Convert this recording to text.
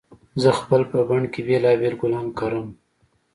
زه خپل په بڼ کې بېلابېل ګلان کرم